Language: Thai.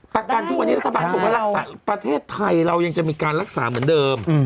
ประกันทุกวันนี้รัฐบาลเขาบอกว่ารักษาประเทศไทยเรายังจะมีการรักษาเหมือนเดิม